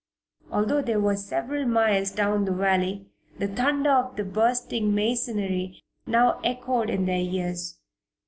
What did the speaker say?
Although they were several miles down the valley, the thunder of the bursting masonry now echoed in their ears.